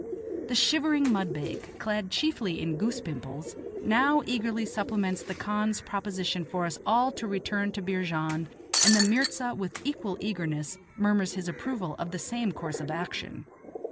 The shivering mudbake, clad chiefly in goose pimples, now eagerly supplements the khan's proposition for us all to return to Beerjand, and the mirza with equal eagerness murmurs his approval of the same course of action.